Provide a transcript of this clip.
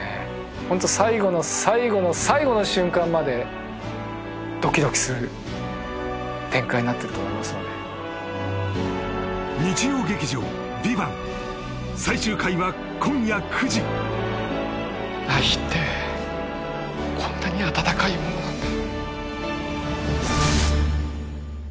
ホント最後の最後の最後の瞬間までドキドキする展開になっていると思いますので日曜劇場「ＶＩＶＡＮＴ」最終回は今夜９時愛ってこんなに温かいものなんだ